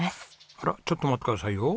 あらちょっと待ってくださいよ。